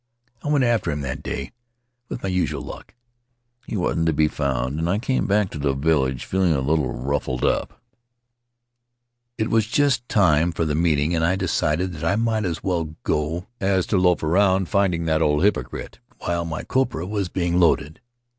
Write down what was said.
I went after him that day, with my usual luck. He wasn't to be found, and I came back to the village feel ing a bit ruffled up. The Starry Threshold "It was just time for the meeting, and I decided that I might as well go as to loaf around finding that old hypocrite while my copra was being loaded.